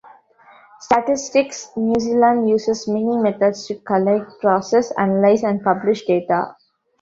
Statistics New Zealand uses many methods to collect, process, analyze, and publish data.